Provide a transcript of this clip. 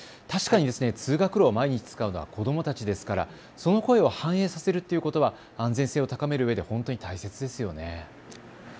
確かに通学路を毎日使うのは子どもたちですからその声を反映させるということは安全性を高めるうえで本当に大切ですよね。